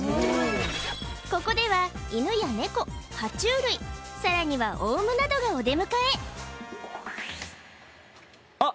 ここでは犬や猫は虫類さらにはオウムなどがお出迎えあっ！